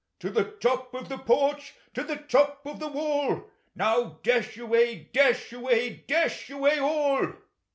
To the top of the porch, to the top of the wall ! Now dash away, dash away, dash away all!